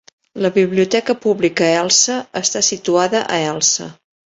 La Biblioteca Pública Elsa està situada a Elsa.